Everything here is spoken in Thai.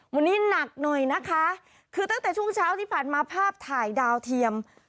วันนี้หนักหน่อยนะคะคือตั้งแต่ช่วงเช้าที่ผ่านมาภาพถ่ายดาวเทียม